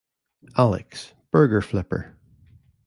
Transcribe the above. Alex, burger flipper.